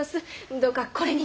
どうかこれにて！